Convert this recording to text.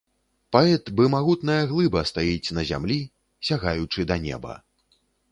Паэт бы магутная глыба стаіць на зямлі, сягаючы да неба.